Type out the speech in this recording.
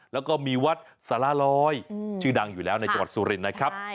แล้วก็มีวัดสารลอยชื่อดังอยู่แล้วในจังหวัดสุรินทร์นะครับ